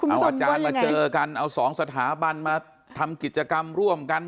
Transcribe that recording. เอาอาจารย์มาเจอกันเอาสองสถาบันมาทำกิจกรรมร่วมกัน